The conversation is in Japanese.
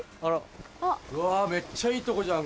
うわめっちゃいいとこじゃん